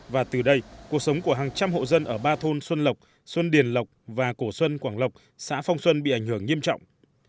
và từ đây cuộc sống của hàng trăm hộ dân ở ba thôn xuân lộc xuân điền lộc và cổ xuân quảng lộc xã phong xuân bị ảnh hưởng nghiêm trọng